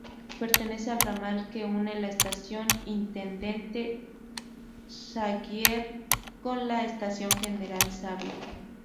Pertenece al ramal que une la estación Intendente Saguier con la estación General Savio.